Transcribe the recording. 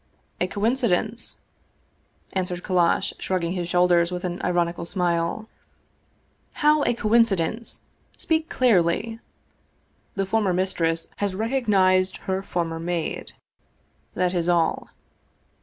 " A coincidence," answered Kallash, shrugging his shoul ders with an ironical smile. " How a coincidence? Speak clearly! "" The former mistress has recognized her former maid that is all."